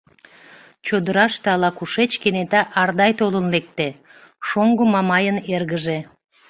Чодыраште ала-кушеч кенета Ардай толын лекте — шоҥго Мамайын эргыже.